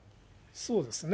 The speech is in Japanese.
そうですね。